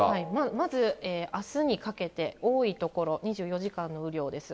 まずあすにかけて、多い所、２４時間の雨量です。